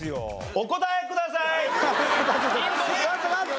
お答えください！